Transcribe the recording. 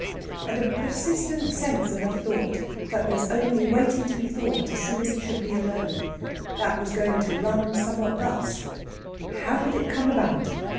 And a persistent sense of a thought that was only waiting to be thought as soon as he should be alone that was going to run somewhat thus: "How could it come about?